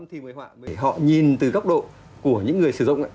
họ nhìn từ góc độ của những người sử dụng